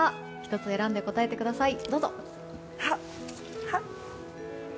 １つ選んで答えてください。